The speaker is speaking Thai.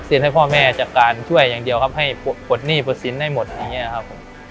ให้พ่อแม่จากการช่วยอย่างเดียวครับให้ปลดหนี้ปลดสินให้หมดอย่างนี้ครับผม